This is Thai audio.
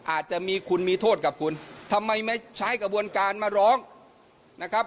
อาจจะมีคุณมีโทษกับคุณทำไมไม่ใช้กระบวนการมาร้องนะครับ